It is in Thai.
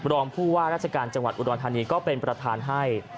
รองผู้ว่าราชการจังหวัดอุดรธานีก็เป็นประธานให้